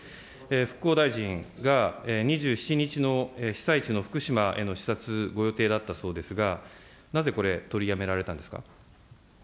復興大臣が、２７日の被災地の福島への視察ご予定だったそうですが、なぜこれ、取りやめられたんですか。